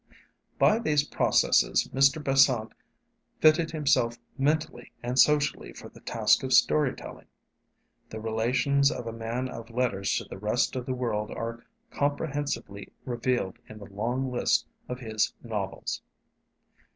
By these processes Mr. Besant fitted himself mentally and socially for the task of story telling. The relations of a man of letters to the rest of the world are comprehensively revealed in the long list of his novels.